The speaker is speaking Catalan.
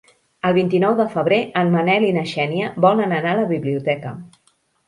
El vint-i-nou de febrer en Manel i na Xènia volen anar a la biblioteca.